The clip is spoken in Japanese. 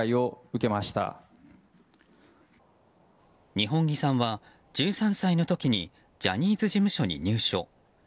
二本樹さんは１３歳の時にジャニーズ事務所に入所。